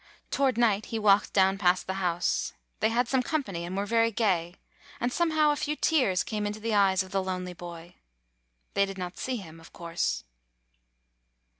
Toward night he walked down past the house. They had some company, and were very gay; and somehow a few tears came into the eyes of the lonely boy. They did not see him, of course.